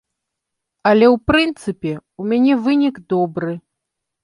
Але, у прынцыпе, у мяне вынік добры.